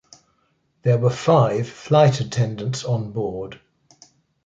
There were five flight attendants on board.